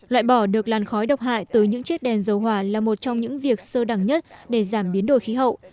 loại bỏ được làn khói độc hại từ những chiếc đèn dầu hỏa là một trong những việc sơ đẳng nhất để giảm biến đổi khí hậu